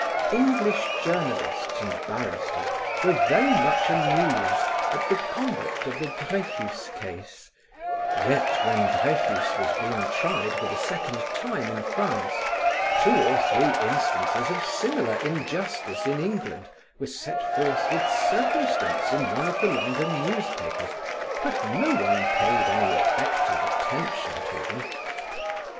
English journalists and barristers were very much amused at the conduct of the Dreyfus case; yet, when Dreyfus was being tried for the second time in France, two or three instances of similar injustice in England were set forth with circumstance in one of the London newspapers, but no one paid any effective attention to them.